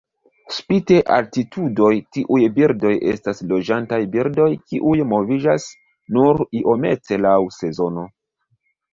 Spite altitudoj tiuj birdoj estas loĝantaj birdoj kiuj moviĝas nur iomete laŭ sezono.